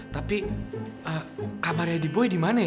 tapi kamarnya di boy dimana ya